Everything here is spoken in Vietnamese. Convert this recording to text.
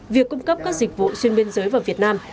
việc cung cấp các dịch vụ xuyên biên giới vào việt nam